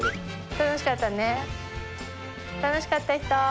楽しかったね？